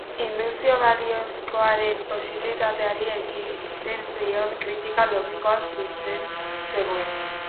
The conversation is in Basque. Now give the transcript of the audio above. Indukzio baliozkoaren posibilitateari egiten zion kritika logikoan zuzen zegoen.